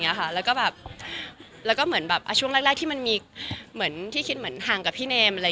งานหนักมากแล้วก็เหมือนช่วงแรกที่มีเหมือนที่คิดห่างกับพี่เนม